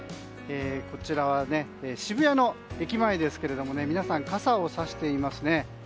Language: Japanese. こちらは渋谷の駅前ですが皆さん、傘をさしていますね。